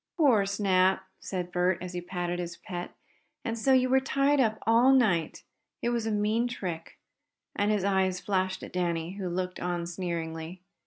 "Poor Snap!" said Bert, as he patted his pet "And so you were tied up all night? It was a mean trick!" and his eyes flashed at Danny, who looked on sneeringly.